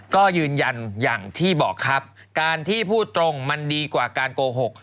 ก็ยืนยันอย่างที่บอกครับการที่พูดตรงมันดีกว่าการโกหก